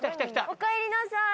おかえりなさい。